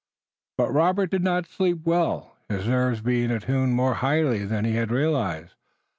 But Robert did not sleep well, his nerves being attuned more highly than he had realized.